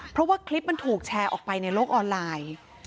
เพราะว่าคลิปมันถูกแชร์ออกไปในโลกออนไลน์